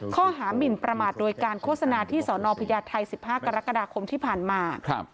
หมินประมาทโดยการโฆษณาที่สนพญาไทย๑๕กรกฎาคมที่ผ่านมา